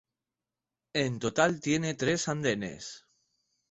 En total tiene tres andenes.